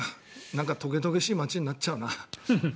なんかとげとげしい街になっちゃうな。